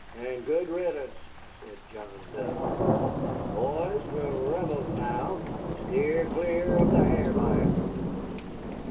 "And good riddance," said John Duff. "Boys, we're Rebels now. Steer clear of the Ha'r Buyer."